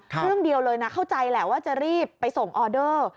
เรื่องเดียวเลยนะเข้าใจแหละว่าจะรีบไปส่งออเดอร์